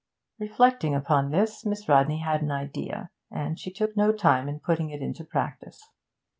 Reflecting upon this, Miss Rodney had an idea, and she took no time in putting it into practice.